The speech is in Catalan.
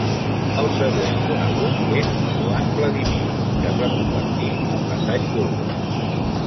El següent conegut és Joan Vladímir, que es va convertir en vassall búlgar.